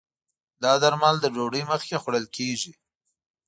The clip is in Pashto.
دا درمل د ډوډی مخکې خوړل کېږي